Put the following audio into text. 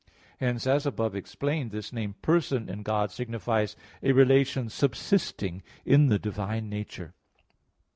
Hence, as above explained (Q. 29, A. 4), this name "person" in God signifies a relation subsisting in the divine nature.